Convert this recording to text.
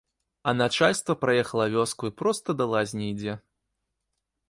А начальства праехала вёску і проста да лазні ідзе.